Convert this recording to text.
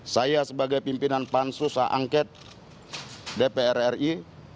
saya sebagai pimpinan pansus h angket dpr ri